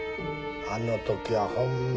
あのときはホンマ